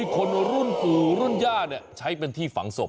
คนรุ่นปู่รุ่นย่าใช้เป็นที่ฝังศพ